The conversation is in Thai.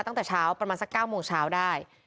ตั้งแต่เช้าประมาณสัก๙โมงเช้าได้